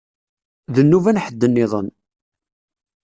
D nnuba n ḥedd nniḍen.